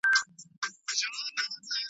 زه سبا سبا کومه لا منلي مي وعدې دي .